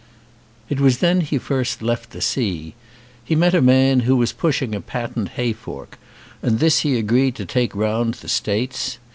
It was then he first left the sea. He met a man who was pushing a patent hay fork and this he agreed to take round the States.